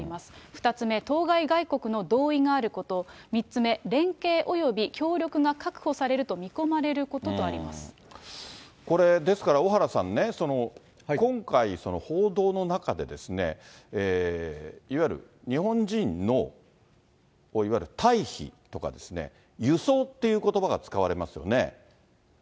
２つ目、当該外国の同意があること、３つ目、連携および協力が確保されるこれ、ですから小原さんね、今回、報道の中で、いわゆる日本人の、いわゆる退避とか、輸送っていうことばが使われますよね。